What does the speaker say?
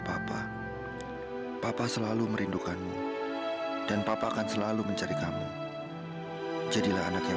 sampai jumpa di video selanjutnya